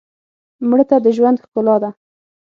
مړه ته د ژوند ښکلا ده